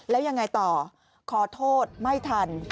แล้วยังไงต่อขอโทษไม่ทัน